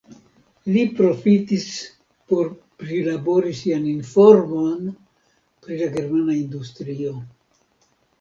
Li profitis por prilabori sian informon pri la germana industrio.